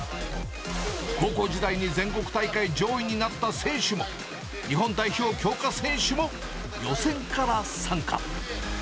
高校時代に全国大会上位になった選手も、日本代表強化選手も、予選から参加。